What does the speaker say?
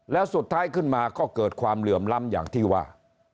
แล้วสุดท้ายขึ้นมาก็เกิดความเหลื่อมล้ำอย่างที่ว่า